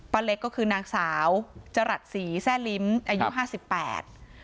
ปั้นเล็กก็คือนางสาวจรัสศรีแซ่ลิ้มอายุ๕๘